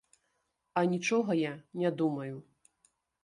А нічога я не думаю.